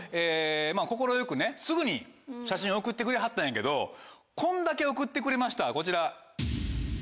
快くすぐに写真を送ってくれはったんやけどこんだけ送ってくれましたこちら。